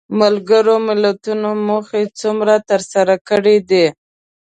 ملګرو ملتونو موخې څومره تر سره کړې دي؟